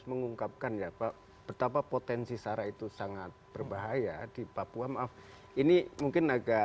mengungkapkan ya pak betapa potensi sarah itu sangat berbahaya di papua maaf ini mungkin agak